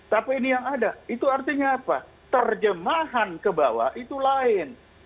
tapi ini yang ada itu artinya apa terjemahan ke bawah itu lain